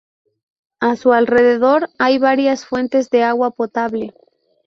A su alrededor hay varias fuentes de agua potable.